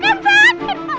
kau kaget banget